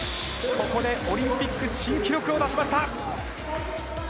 ここでオリンピック新記録を出しました。